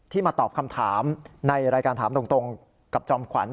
มาตอบคำถามในรายการถามตรงกับจอมขวัญ